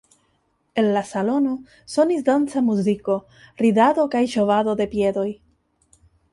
El la salono sonis danca muziko, ridado kaj ŝovado de piedoj.